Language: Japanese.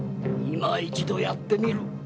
今一度やってみる。